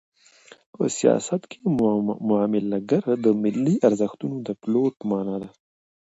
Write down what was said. په سیاست کې معامله ګري د ملي ارزښتونو د پلورلو په مانا ده.